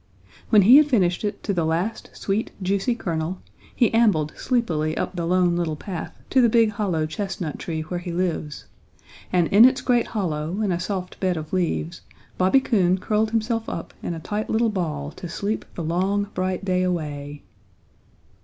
When he had finished it to the last sweet, juicy kernel, he ambled sleepily up the Lone Little Path to the big hollow chestnut tree where he lives, and in its great hollow in a soft bed of leaves Bobby Coon curled himself up in a tight little ball to sleep the long, bright day away.